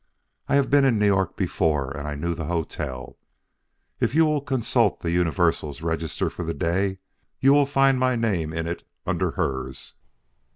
I have been in New York before, and I knew the hotel. If you will consult the Universal's register for the day, you will find my name in it under hers.